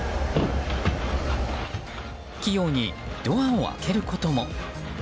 器用にドアを開けることも。